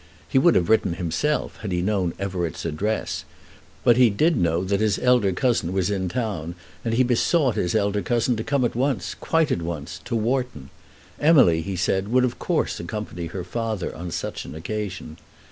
He would have written himself had he known Everett's address. But he did know that his elder cousin was in town, and he besought his elder cousin to come at once, quite at once, to Wharton. Emily, he said, would of course accompany her father on such an occasion.